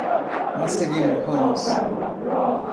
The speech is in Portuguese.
Marcelino Ramos